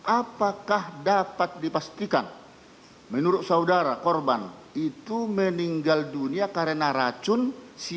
apakah dapat dipastikan menurut saudara korban itu meninggal dunia karena racun sianida di sisi